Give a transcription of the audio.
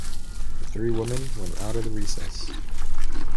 The three women went out of the recess.